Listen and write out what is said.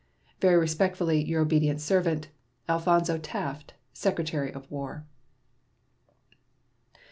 Very respectfully, your obedient servant, ALPHONSO TAFT, Secretary of War.